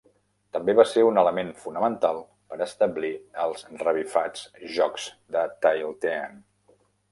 També va ser un element fonamental per establir els 'revifats' Jocs de Tailteann.